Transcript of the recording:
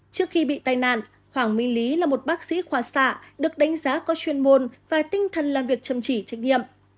trước khi bị tai nạn hoàng minh lý là một bác sĩ khoa xạ được đánh giá có chuyên môn và tinh thần làm việc chăm chỉ trách nhiệm